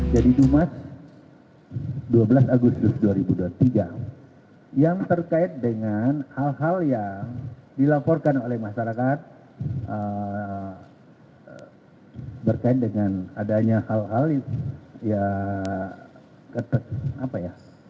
jadi jumat dua belas agustus dua ribu dua puluh tiga yang terkait dengan hal hal yang dilaporkan oleh masyarakat berkait dengan adanya hal hal yang keterangan